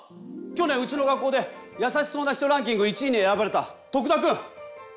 去年うちの学校でやさしそうな人ランキング１位に選ばれた徳田くん！